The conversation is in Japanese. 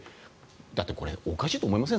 だってこれおかしいと思いません？